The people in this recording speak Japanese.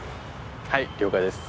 はい了解です